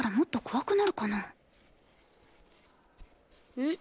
えっ？